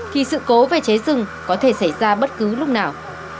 thì sự cố về cháy rừng có thể xảy ra bất cứ lúc nào